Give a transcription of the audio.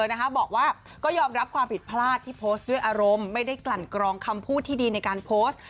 บอกว่าก็ยอมรับความผิดพลาดที่โพสต์ด้วยอารมณ์ไม่ได้กลั่นกรองคำพูดที่ดีในการโพสต์